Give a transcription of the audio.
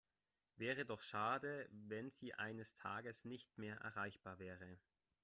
Wäre doch schade, wenn Sie eines Tages nicht mehr erreichbar wäre.